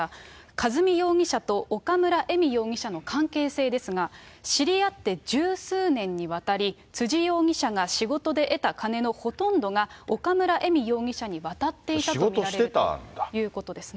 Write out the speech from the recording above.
和美容疑者と岡村恵美容疑者の関係性ですが、知り合って十数年にわたり、辻容疑者が仕事で得た金のほとんどが、岡村恵美容疑者に渡っていたと見られるということですね。